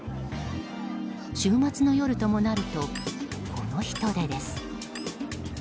週末の夜ともなるとこの人出です。